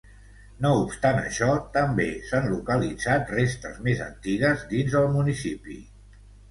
No obstant això, també s'han localitzat restes més antigues dins el municipi.